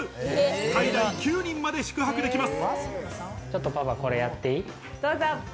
最大９人まで宿泊できます。